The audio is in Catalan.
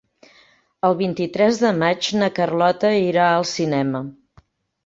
El vint-i-tres de maig na Carlota irà al cinema.